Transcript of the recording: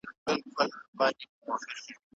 هيڅ څوک د فرد پوښتنه نه کوي.